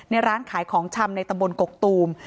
ร้านขายของชำในตำบลกกตูม